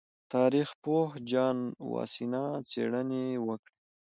تاریخ پوه جان واسینا څېړنې وکړې.